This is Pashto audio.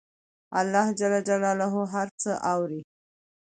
الله ج هر څه اوري